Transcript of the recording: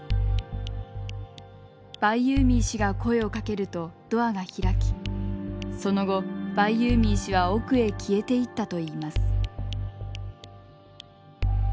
バイユーミー氏が声をかけるとドアが開きその後バイユーミー氏は奥へ消えていったといいます。